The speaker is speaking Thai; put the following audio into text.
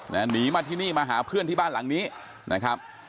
หนีมาที่นี่มาหาเพื่อนที่บ้านหลังนี้นะครับ